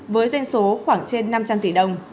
với doanh số khoảng trên năm trăm linh tỷ đồng